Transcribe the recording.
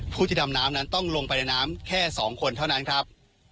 ผู้ที่ดำน้ำนั้นต้องลงไปในน้ำแค่๒คนเท่านั้นครับ